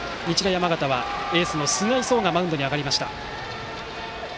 山形はエース、菅井颯がマウンドに上がりました。